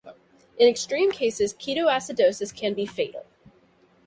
In extreme cases ketoacidosis can be fatal.